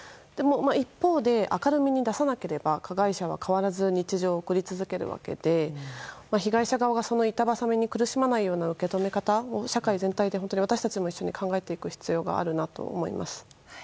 一方で明るみに出さなければ加害者は変わらず日常を送り続けるわけで被害者側がその板挟みに苦しまないような受け止め方を社会全体で私たちも一緒に考えていく必要があるなと思います。